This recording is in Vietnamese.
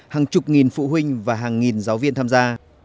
hàng chục nghìn phụ huynh và hàng nghìn giáo viên tham gia